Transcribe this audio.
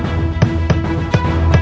indra kursi kemana